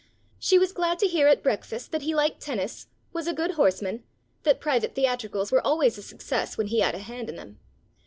She was glad to hear at breakfast that he liked tennis, was a good horseman, that private theatricals were always a success when he had a hand in them.